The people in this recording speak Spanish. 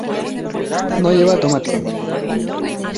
No lleva tomate.